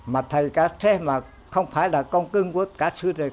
mà thầy phát xét mà không phải là con cưng của ca sư